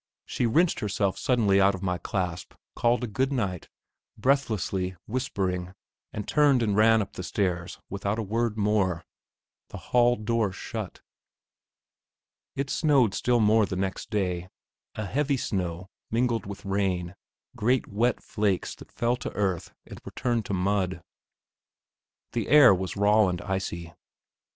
She wrenched herself suddenly out of my clasp, called a good night, breathlessly, whispering, and turned and ran up the stairs without a word more.... The hall door shut. It snowed still more the next day, a heavy snow mingled with rain; great wet flakes that fell to earth and were turned to mud. The air was raw and icy.